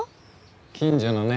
近所のね